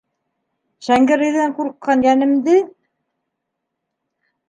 Шәңгәрәйҙән ҡурҡҡан йәнемде?!